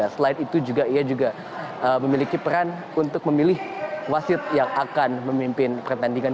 selain itu juga ia juga memiliki peran untuk memilih wasit yang akan memimpin pertandingan